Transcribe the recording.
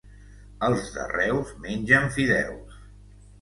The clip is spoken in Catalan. Els de Reus mengen fideus.